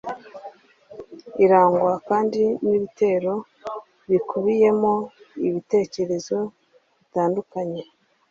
Irangwa kandi n’ibitero bikubiyemo ibitekerezo bitandukanye